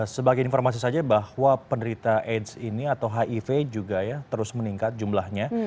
sebagai informasi saja bahwa penderita aids ini atau hiv juga ya terus meningkat jumlahnya